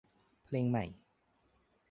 เพลงใหม่